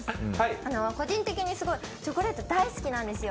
個人的にチョコレートすごい大好きなんですよ。